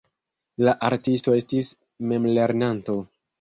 La artisto estis memlernanto.